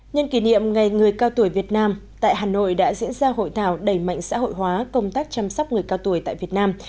nhân kỷ niệm ngày người cao tuổi việt nam tại hà nội đã diễn ra hội thảo đẩy mạnh xã hội hóa công tác chăm sóc người cao tuổi tại việt nam